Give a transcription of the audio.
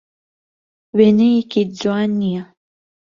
وێنەیەکی جوان نییە.